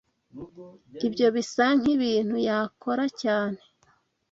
Ibyo bisa nkibintu yakora cyane.